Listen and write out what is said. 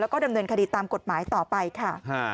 แล้วก็ดำเนินคดีตามกฎหมายต่อไปค่ะ